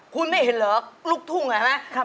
คุณไม่เห็นเหรอลูกทุ่งไงครับ